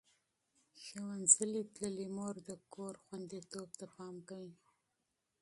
ښوونځې تللې مور د کور خوندیتوب ته پام کوي.